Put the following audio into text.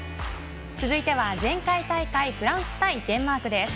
続いては前回大会フランス対デンマークです。